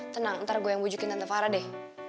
tenang ntar gue yang bujukin tante fara deh